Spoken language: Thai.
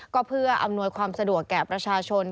ก็เพื่ออำนวยความสะดวกแก่ประชาชน